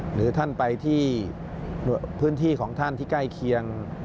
หรือท่านไปที่พื้นที่ของท่านที่ใกล้เคียง